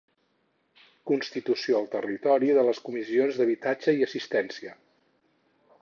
Constitució al territori de les comissions d'habitatge i assistència.